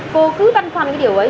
cô cứ văn khoăn cái điều ấy